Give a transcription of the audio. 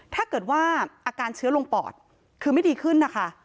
ถ้าเกิดว่าอาการเชื้อลงปอดคือไม่ดีขึ้นนะคะ